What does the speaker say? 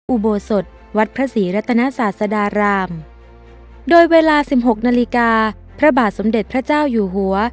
อุโบสถวัดพระศรีรัตนศาสดารามโดยเวลาสิบหกนาฬิกาพระบาทสมเด็จพระเจ้าอยู่หัว